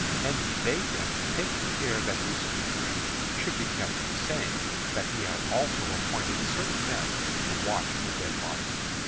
And he bade them take care that this decree should be kept, saying that he had also appointed certain men to watch the dead body.